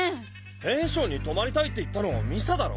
ペンションに泊まりたいって言ったの美佐だろう！